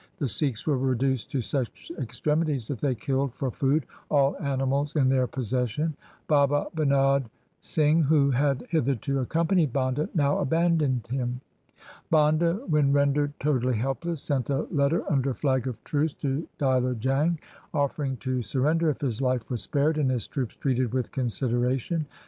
The Sikhs were reduced to such extremities that they killed for food all animals in their possession. Baba Binod Singh, who had hitherto accompanied Banda, now abandoned him. Banda, when rendered totally helpless, sent a letter under flag of truce to Diler Jang offering to sur render if his life were spared, and his troops treated with consideration.